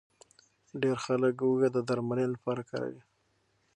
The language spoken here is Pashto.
ډېر خلک هوږه د درملنې لپاره کاروي.